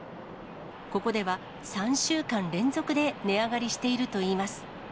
ここでは３週間連続で値上がりしているといいます。